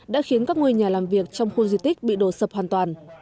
đã khiến các ngôi nhà làm việc trong khu di tích bị đổ sập hoàn toàn